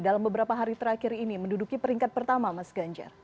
dalam beberapa hari terakhir ini menduduki peringkat pertama mas ganjar